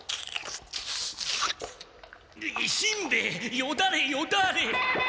しんべヱよだれよだれ！